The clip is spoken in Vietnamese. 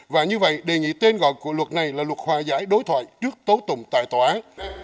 và như vậy đề nghị tên gọi của luật này là luật hòa giải đối thoại trước tố tùng tại tòa án